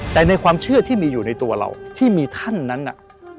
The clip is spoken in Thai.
แต่ในความเชื่อที่มีอยู่ในตัวเราที่มีท่านนั้นน่ะ